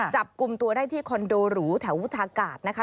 จับกลุ่มตัวได้ที่คอนโดหรูแถววุฒากาศนะคะ